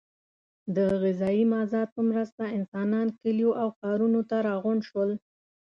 د غذایي مازاد په مرسته انسانان کلیو او ښارونو ته راغونډ شول.